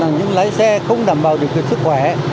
những lái xe không đảm bảo được sức khỏe